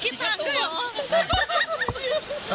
อุ้ยคิดต่างกัน